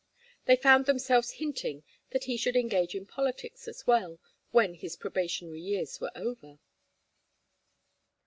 They found themselves hinting that he should engage in politics as well, when his probationary years were over.